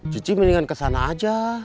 cici mendingan kesana aja